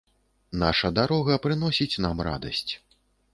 Наша дарога прыносіць нам радасць.